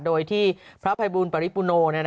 โดยที่พระภัยบูลปริปุโน